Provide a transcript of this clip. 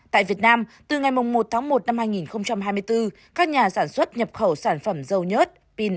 tại việt nam từ ngày một tháng một năm hai nghìn hai mươi bốn các nhà sản xuất nhập khẩu sản phẩm dâu nhớt pin